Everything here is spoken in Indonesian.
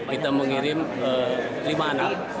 kita mengirim lima anak